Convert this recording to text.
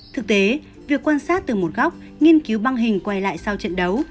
thực tế việc quan sát từ một góc nghiên cứu băng hình quay lại sau trận đấu